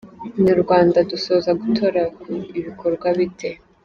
InyaRwanda: Dusoza, ku gutora bikorwa bite?.